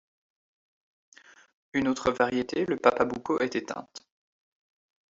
Une autre variété, le papabuco, est éteinte.